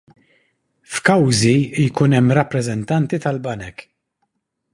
F'kawżi jkun hemm rappreżentanti tal-banek.